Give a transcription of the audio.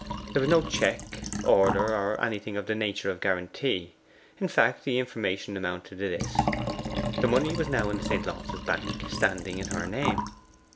There was no check, order, or anything of the nature of guarantee. In fact the information amounted to this: the money was now in the St. Launce's Bank, standing in her name.